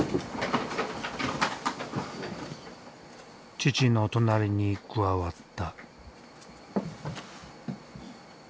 父の隣に加わった。